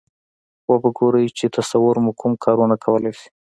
و به ګورئ چې تصور مو کوم کارونه کولای شي.